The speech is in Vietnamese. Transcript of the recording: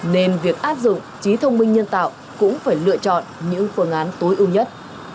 nên việc áp dụng trí thông minh nhân tạo cũng phải lựa chọn những phương án tối ưu nhất